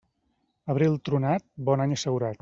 Abril tronat, bon any assegurat.